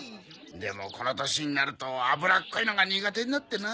でもこの年になると脂っこいのが苦手になってな。